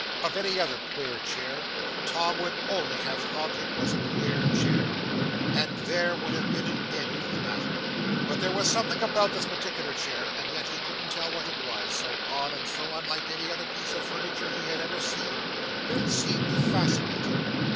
Of any other queer chair, Tom would only have thought it was a queer chair, and there would have been an end of the matter; but there was something about this particular chair, and yet he couldn't tell what it was, so odd and so unlike any other piece of furniture he had ever seen, that it seemed to fascinate him.